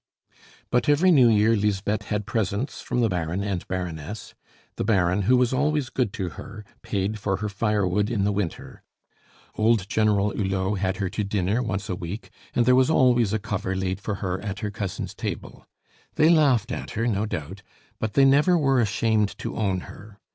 But every New Year Lisbeth had presents from the Baron and Baroness; the Baron, who was always good to her, paid for her firewood in the winter; old General Hulot had her to dinner once a week; and there was always a cover laid for her at her cousin's table. They laughed at her no doubt, but they never were ashamed to own her.